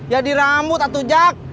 ya di rambut atau jak